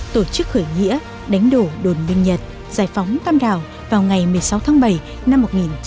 tổ chức khởi nghĩa đánh đổ đồn bình nhật giải phóng tàm đảo vào ngày một mươi sáu tháng bảy năm một nghìn chín trăm bốn mươi năm